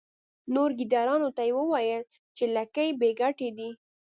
نورو ګیدړانو ته یې وویل چې لکۍ بې ګټې دي.